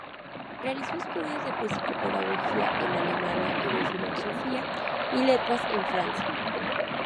Realizó estudios de psicopedagogía en Alemania y de filosofía y letras en Francia.